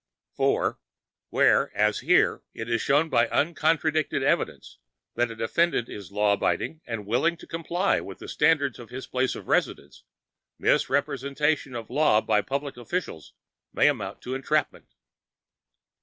(4) Where, as here, it is shown by uncontradicted evidence that a defendant is law abiding and willing to comply with the standards of his place of residence, misrepresentation of law by public officials may amount to entrapment.